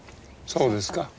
そうですか。